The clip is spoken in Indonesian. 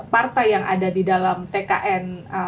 partai yang ada di dalam tkn